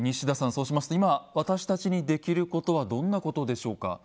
そうしますと今私たちにできることはどんなことでしょうか？